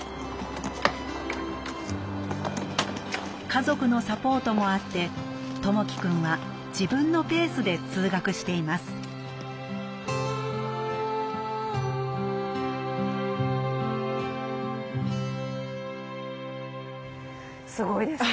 家族のサポートもあって友輝くんは自分のペースで通学していますすごいです。